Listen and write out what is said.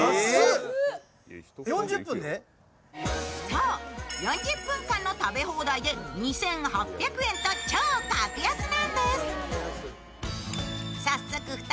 そう、４０分間の食べ放題で２８００円と格安なんです。